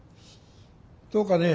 どうかね？